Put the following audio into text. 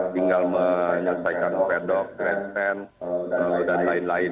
tinggal menyelesaikan pedok kresten dan lain lain